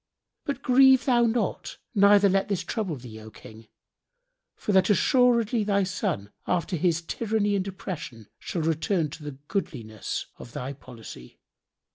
But grieve thou not, neither let this trouble thee, O King, for that assuredly thy son, after his tyranny and oppression, shall return to the goodliness of thy policy.